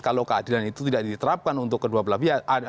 kalau keadilan itu tidak diterapkan untuk kedua belah pihak